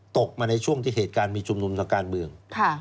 ตกมาในช่วงที่เหตุการณ์มีชุมนุมทางการเมือง